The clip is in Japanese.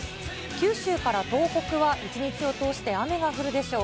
九州から東北は一日を通して雨が降るでしょう。